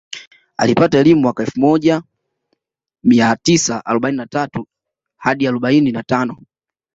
Alipata elimu mwaka elfu moja mia tisa arobaini na tatu hadi arobaini na tano